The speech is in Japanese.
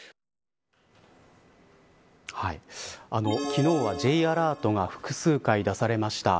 昨日はＪアラートが複数回出されました。